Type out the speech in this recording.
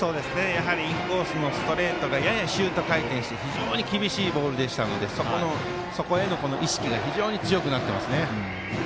インコースのストレートがややシュート回転して非常に厳しいボールでしたのでそこへの意識が非常に強くなってますね。